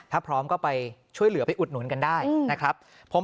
ถ้าพร้อมก็ไปช่วยเหลือไปอุดหนุนกันได้นะครับ